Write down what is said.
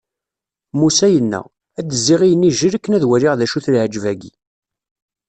Musa yenna: ad d-zziɣ i inijel akken ad waliɣ d acu-t leɛǧeb-agi!